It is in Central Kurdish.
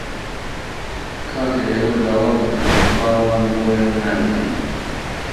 کاکە ئێوە داوا بکەن، با ئەوان بڵێن نایکەین